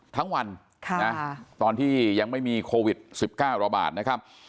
ทั้งวันตอนที่ยังไม่มีโควิด๑๙ระบาดนะครับ